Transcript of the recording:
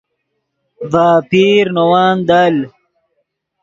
ڤے اپیر نے ون دل